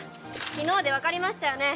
昨日で分かりましたよね